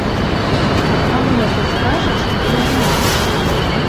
А мне ты скажаш, калі знойдзеш?